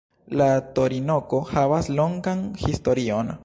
La torinoko havas longan historion.